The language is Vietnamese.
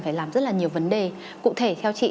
phải làm rất là nhiều vấn đề cụ thể theo chị